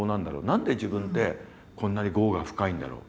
何で自分ってこんなに業が深いんだろう。